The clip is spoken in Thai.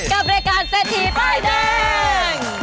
กับรายการเซททีป้ายเดิ้ง